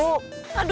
saya kejepetan bu